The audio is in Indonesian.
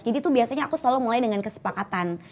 jadi tuh biasanya aku selalu mulai dengan kesepakatan